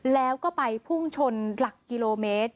แล้วก็ไปพุ่งชนหลักกิโลเมตร